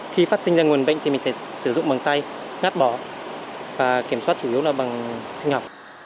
khi phát sinh ra nguồn bệnh thì mình sẽ sử dụng bằng tay ngắt bỏ và kiểm soát chủ yếu là bằng sinh học